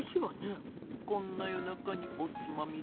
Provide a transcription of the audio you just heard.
こんな夜中におつまみチーズ。